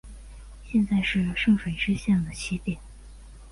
现在是圣水支线的起点。